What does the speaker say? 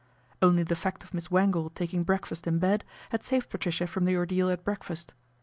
Only the fact of Miss Wangle taking breakfast in bed had saved Patricia from the ordeal at breakfast.